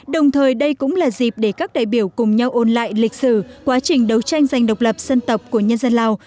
đồng thời đây cũng là dịp để các đại biểu cùng nhau ôn lại lịch sử quá trình đấu tranh dành độc lập dân tộc của nhân dân lào